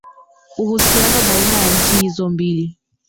uhusiano baina ya nchi hizo mbili